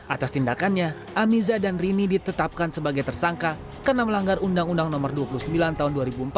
atas tindakannya amiza dan rini ditetapkan sebagai tersangka karena melanggar undang undang no dua puluh sembilan tahun dua ribu empat